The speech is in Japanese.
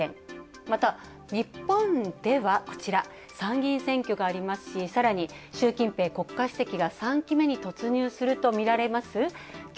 また、日本では参議院選挙がありますしさらに、習近平国家主席が３期目に突入するとみられます。